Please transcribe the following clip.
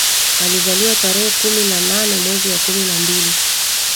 Alizaliwa tarehe kumi na nane mwezi wa kumi na mbili